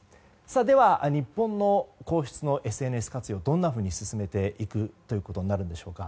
では、日本の皇室のＳＮＳ活用はどのように進めていくことになるんでしょうか。